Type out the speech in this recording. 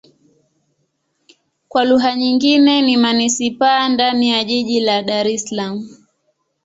Kwa lugha nyingine ni manisipaa ndani ya jiji la Dar Es Salaam.